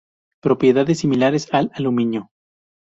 Propiedades similares al aluminio.